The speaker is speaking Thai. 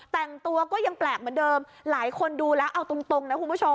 แต่งตัวก็ยังแปลกเหมือนเดิมหลายคนดูแล้วเอาตรงนะคุณผู้ชม